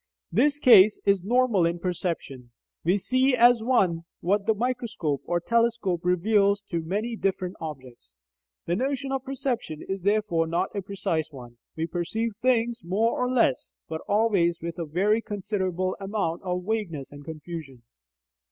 This case is normal in perception: we see as one what the microscope or telescope reveals to be many different objects. The notion of perception is therefore not a precise one: we perceive things more or less, but always with a very considerable amount of vagueness and confusion.